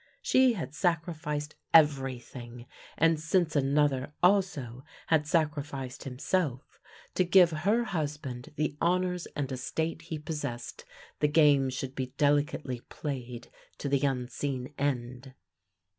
She had sacrificed everything, and since another also had sacrificed him self to give her husband the honours and estate he pos sessed the game should be delicately played to the unseen end.